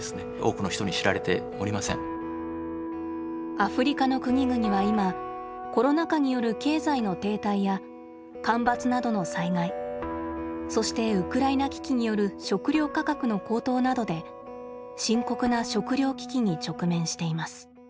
アフリカの国々はいまコロナ禍による経済の停滞や干ばつなどの災害そしてウクライナ危機による食料価格の高騰などで深刻な食料危機に直面しています。